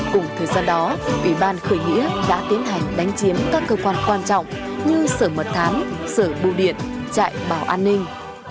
cùng thời gian đó ủy ban khởi nghĩa đã tiến hành đánh chiếm các cơ quan quan trọng như sở mật thám sở bưu điện trại bảo an ninh